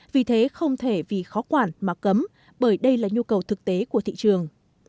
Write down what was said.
vì thế không thể vì khó quản mà cấm bởi đây là nhu cầu thực tế của thị trường